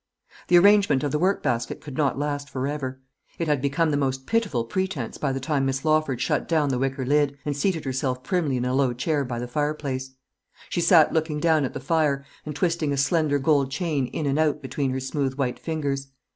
The arrangement of the workbasket could not last for ever. It had become the most pitiful pretence by the time Miss Lawford shut down the wicker lid, and seated herself primly in a low chair by the fireplace. She sat looking down at the fire, and twisting a slender gold chain in and out between her smooth white fingers.